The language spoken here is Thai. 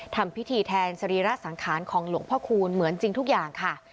ทำพิธีแทนสรีระสังขารของหลวงพ่อคูณเหมือนจริงทุกอย่างค่ะ